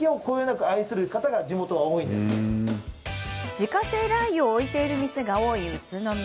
自家製ラー油を置いている店が多い宇都宮。